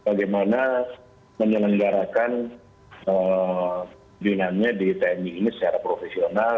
bagaimana menjelenggarakan dinamanya di tni ini secara profesional